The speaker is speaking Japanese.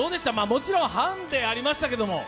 もちろんハンデありましたけれども。